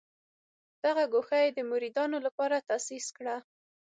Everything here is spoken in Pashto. دغه ګوښه یې د مریدانو لپاره تاسیس کړه.